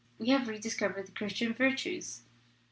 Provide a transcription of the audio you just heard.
We have rediscovered the Christian Virtues.